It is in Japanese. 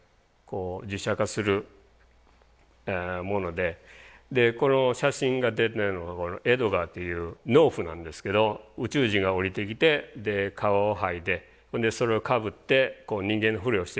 でこの写真が出てるのがエドガーという農夫なんですけど宇宙人が降りてきてで皮を剥いでほんでそれをかぶって人間のふりをしてると。